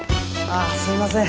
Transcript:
あすいません。